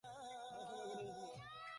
ভালো সময় কেটেছে তোমার।